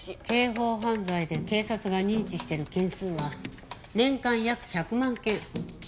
刑法犯罪で警察が認知してる件数は年間約１００万件。